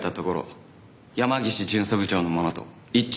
山岸巡査部長のものと一致しました。